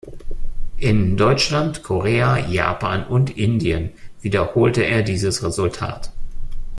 In Deutschland, Korea, Japan und Indien wiederholte er dieses Resultat.